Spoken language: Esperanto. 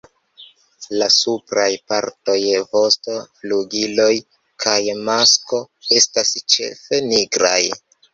La supraj partoj, vosto, flugiloj kaj masko estas ĉefe nigraj.